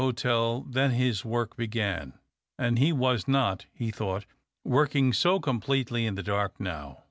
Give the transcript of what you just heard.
hotel than his work began ; and he was not, he thought, working so completely in the dark now.